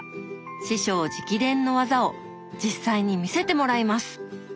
師匠直伝の技を実際に見せてもらいます！